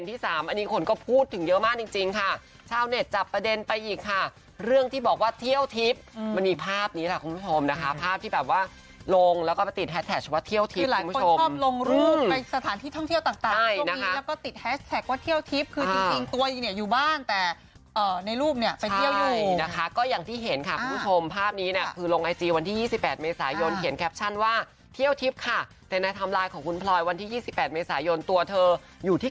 ที่๓อันนี้คนก็พูดถึงเยอะมากจริงค่ะชาวเน็ตจับประเด็นไปอีกค่ะเรื่องที่บอกว่าเที่ยวทริปมันมีภาพนี้คุณผู้ชมนะคะภาพที่แบบว่าลงแล้วก็ติดแฮชแท็กซ์ว่าเที่ยวทริปคุณผู้ชมคือหลายคนชอบลงรูปไปสถานที่ท่องเที่ยวต่างตรงนี้แล้วก็ติดแฮชแท็กซ์ว่าเที่ยวทริปคือจริงตัวเนี่